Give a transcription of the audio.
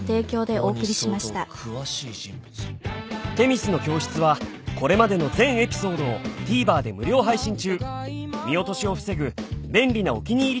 ［『女神の教室』はこれまでの全エピソードをＴＶｅｒで無料配信中］